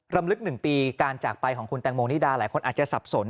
รำลึก๑ปีการจากไปของคุณแตงโมนิดาหลายคนอาจจะสับสน